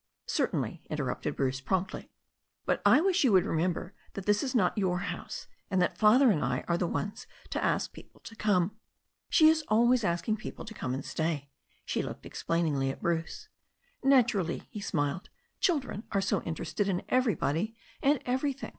"Certainly," interrupted Bruce promptly. "But I wish you would remember that this is not yotir house, and that Father and I are the ones to ask people to come. She is always asking people to come and stay," she looked explainingly at Bruce. "Naturally," he smiled. "Children are so interested in everybody and everything.